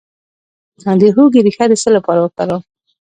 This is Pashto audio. د هوږې ریښه د څه لپاره وکاروم؟